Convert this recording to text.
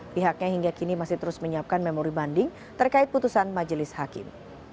pihaknya hingga kini masih terus menyiapkan memori banding terkait putusan majelis hakim